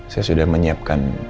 saya sudah menyiapkan